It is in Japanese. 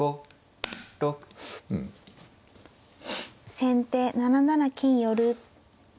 先手７七金寄。